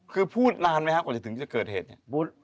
คือพูดนานไหมครับกว่าจะถึงจะเกิดเหตุเนี่ย